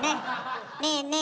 ねえねえ